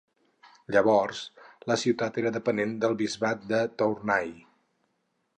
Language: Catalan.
Llavors, la ciutat era depenent del bisbat de Tournai.